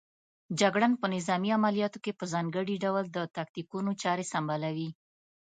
جګړن په نظامي عملیاتو کې په ځانګړي ډول د تاکتیکونو چارې سنبالوي.